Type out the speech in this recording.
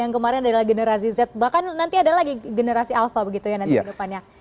yang kemarin adalah generasi z bahkan nanti ada lagi generasi alpha begitu ya nanti di depannya